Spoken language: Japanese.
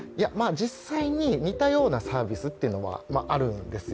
実際に、似たようなサービスというのはあるんですよ。